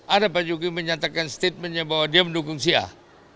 ada pak jokowi menyatakan statementnya bahwa dia mendukung syiah